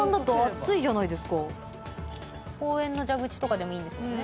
公園の蛇口とかでもいいんですもんね。